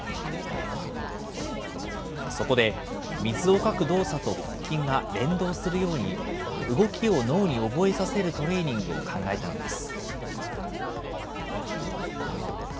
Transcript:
そこで、水をかく動作と腹筋が連動するように、動きを脳に覚えさせるトレーニングを考えたのです。